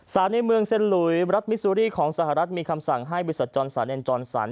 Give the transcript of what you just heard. ในเมืองเซ็นหลุยรัฐมิซูรีของสหรัฐมีคำสั่งให้บริษัทจอนสาเนนจอนสัน